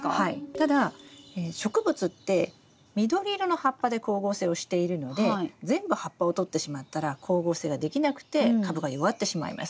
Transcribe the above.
ただ植物って緑色の葉っぱで光合成をしているので全部葉っぱをとってしまったら光合成ができなくて株が弱ってしまいます。